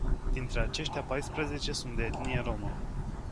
Dintre aceștia paisprezece sunt de etnie rromă.